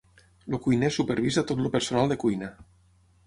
El cuiner supervisa tot el personal de cuina.